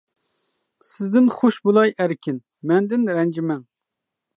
سىزدىن خۇش بولاي ئەركىن، مەندىن رەنجىمەڭ!